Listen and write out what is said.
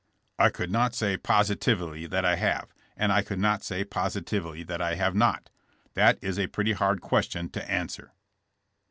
''I could not say positively that I have, and I could not say positively that I have not. That is a pretty hard question to answer."